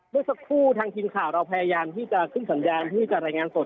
เมื่อสักครู่ทางทีมข่าวเราพยายามที่จะขึ้นสัญญาณที่จะรายงานสด